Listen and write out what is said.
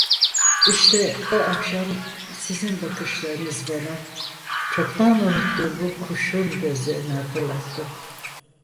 İşte o akşam sizin bakışlarınız bana, çoktan unuttuğum bu kuşun gözlerini hatırlattı.